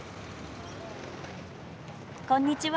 こんにちは。